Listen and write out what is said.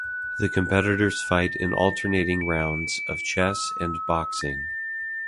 The competitors fight in alternating rounds of chess and boxing.